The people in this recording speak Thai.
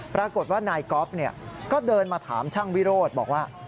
ปรากฏว่านายกอล์ฟก็เดินมาถามช่างวิโรธบอกว่า